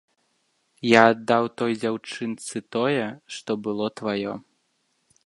Я аддаў той дзяўчынцы тое, што было тваё.